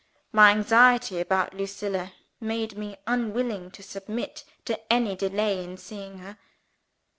My anxiety about Lucilla made me unwilling to submit to any delay in seeing her.